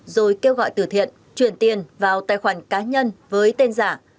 rồi kêu gọi tử thiện chuyển tiền vào tài khoản cá nhân với tên giả